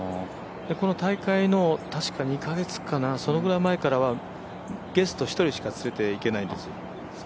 この大会のたしか２か月前からはゲスト１人しか連れていけないんですよ。